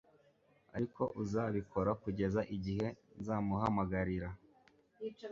Ariko uzabikora kugeza igihe nzamuhamagarira